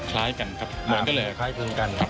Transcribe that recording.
คล้ายกันครับเหมือนกันเลยครับ